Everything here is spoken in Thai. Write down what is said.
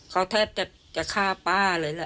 เขาแทบจะฆ่าป้าเลยแหละ